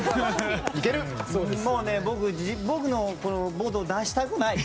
もう僕のボード出したくない。